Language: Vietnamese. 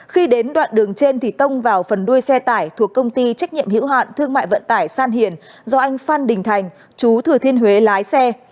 khi đến đoạn đường trên thì tông vào phần đuôi xe tải thuộc công ty trách nhiệm hữu hạn thương mại vận tải san hiền do anh phan đình thành chú thừa thiên huế lái xe